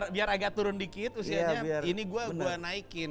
biar agak turun dikit usianya ini gua naikin